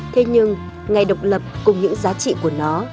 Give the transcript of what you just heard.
thế nhưng ngày độc lập cùng những giá trị của nó